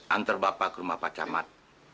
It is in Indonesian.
antar bapak ke rumah pak camat